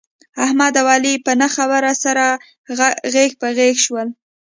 احمد او علي په نه خبره سره غېږ په غېږ شول.